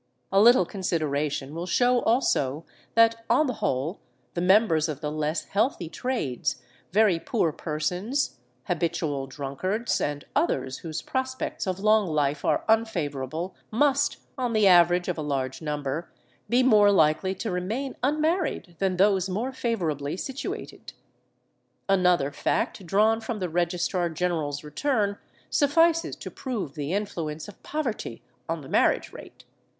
A little consideration will show also that, on the whole, the members of the less healthy trades, very poor persons, habitual drunkards, and others whose prospects of long life are unfavourable, must (on the average of a large number) be more likely to remain unmarried than those more favourably situated. Another fact drawn from the Registrar General's return suffices to prove the influence of poverty on the marriage rate.